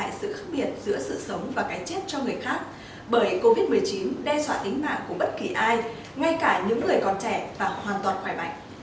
tính mạng của bất kỳ ai ngay cả những người còn trẻ và hoàn toàn khỏi bệnh